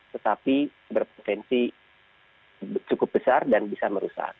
tetapi berpotensi cukup besar dan bisa merusak